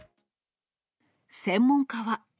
専門家は。